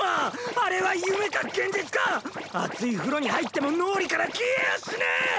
あれは夢か現実か⁉熱い風呂に入っても脳裏から消えやしねぇ！